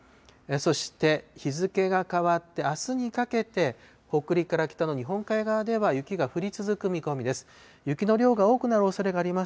そして日付が変わってあすにかけて、北陸から北の日本海側では雪が降り続く見込みです。